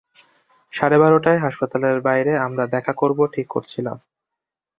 সাড়ে বারোটায় হাসপাতালের বাইরে আমরা দেখা করব ঠিক করেছিলাম।